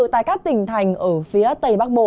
tại các tỉnh thành ở phía tây bắc bộ